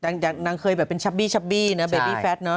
นางเคยแบบเป็นชับบี้เนอะแบบบี้แฟสเนอะ